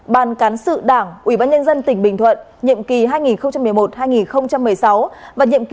ban cán sự đảng ubnd tỉnh bình thuận nhiệm kỳ hai nghìn một mươi hai nghìn một mươi năm và nhiệm kỳ hai nghìn một mươi năm hai nghìn hai mươi